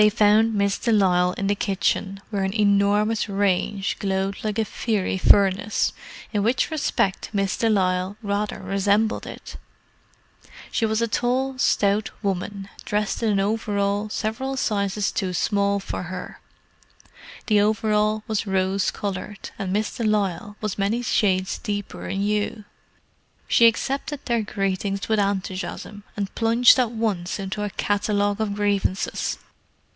They found Miss de Lisle in the kitchen, where an enormous range glowed like a fiery furnace, in which respect Miss de Lisle rather resembled it. She was a tall, stout woman, dressed in an overall several sizes too small for her. The overall was rose coloured, and Miss de Lisle was many shades deeper in hue. She accepted their greetings without enthusiasm, and plunged at once into a catalogue of grievances.